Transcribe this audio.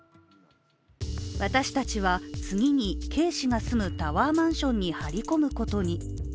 私はたち次に、Ｋ氏が住むタワーマンションに張り込むことに。